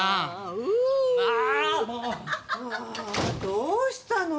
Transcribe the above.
どうしたの？